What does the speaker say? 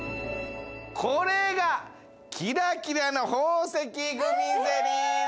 これがキラキラの宝石グミゼリーです。